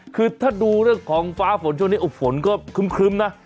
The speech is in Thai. คือถ้าดูเรื่องของฟ้าฝนช่วงนี้ฝนก็ครึ้มนะ